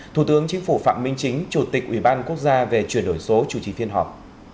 thủ tướng chính phủ phạm minh chính chủ tịch ủy ban quốc gia về chuyển đổi số chủ trì phiên họp